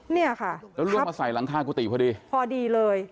เนี่ยค่ะแล้วล่วงมาใส่หลังคากุฏิพอดีพอดีเลย